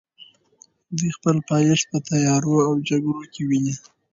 دوی خپل پایښت په تیارو او جګړو کې ویني.